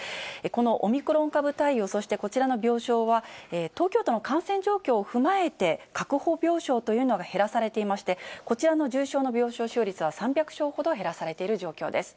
このオミクロン株対応、そしてこちらの病床は、東京都の感染状況を踏まえて、確保病床というのが減らされていまして、こちらの重症の病床使用率は３００床ほど減らされている状況です。